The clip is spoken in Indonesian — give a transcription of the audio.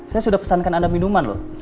saya sudah pesankan anda minuman loh